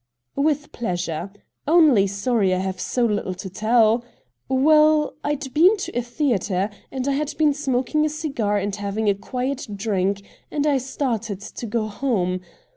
' With pleasure ; only sorry I have so little to tell. Well, I'd been to a theatre, and I had been smoking a cigar and having a quiet drink, and I started to go home.